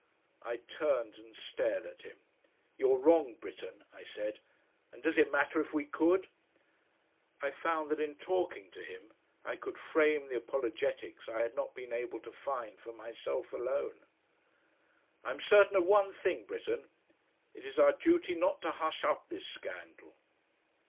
I turned and stared at him. "You're wrong, Britten," I said. "And does it matter if we could?" I found that in talking to him I could frame the apologetics I had not been able to find for myself alone. "I am certain of one thing, Britten. It is our duty not to hush up this scandal."